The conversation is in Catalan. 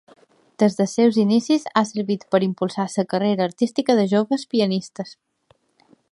Des dels seus inicis ha servit per impulsar la carrera artística de joves pianistes.